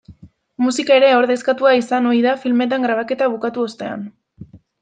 Musika ere ordezkatua izan ohi da filmetan grabaketa bukatu ostean.